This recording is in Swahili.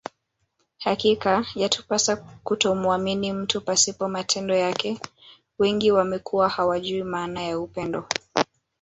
Hakika yatupasa kutomuamini mtu pasipo matendo yake wengi wamekuwa hawajui maana ya upendo